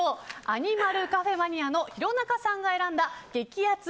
アニマルカフェマニアの廣中さんが選んだ激アツ！